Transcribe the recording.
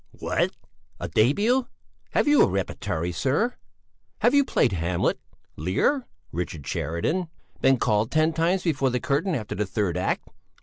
"What? A début? Have you a repertory, sir? Have you played 'Hamlet,' 'Lear,' 'Richard Sheridan'; been called ten times before the curtain after the third act?